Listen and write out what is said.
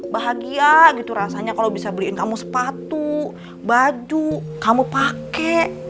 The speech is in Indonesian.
bahagia gitu rasanya kalau bisa beliin kamu sepatu badu kamu pakai